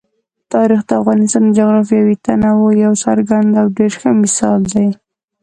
تاریخ د افغانستان د جغرافیوي تنوع یو څرګند او ډېر ښه مثال دی.